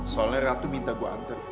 soalnya ratu minta gue antar